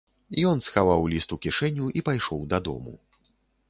Ён схаваў ліст у кішэню і пайшоў дадому.